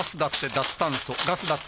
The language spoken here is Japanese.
脱炭素ガス・だって・